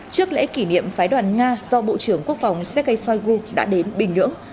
trước lễ kỷ niệm phái đoàn nga do bộ trưởng quốc phòng sergei shoigu đã đến bình nhưỡng